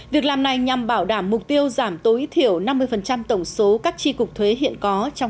việc làm này nhằm bảo đảm mục tiêu giảm tối thiểu năm mươi tổng số các tri cục thuế hiện có trong